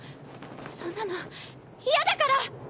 そんなの嫌だから。